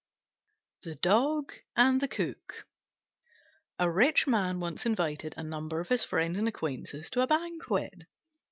THE DOG AND THE COOK A rich man once invited a number of his friends and acquaintances to a banquet.